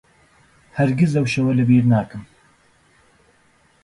هەرگیز ئەو شەوە لەبیر ناکەم.